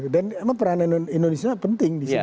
dan emang peran indonesia penting disitu ya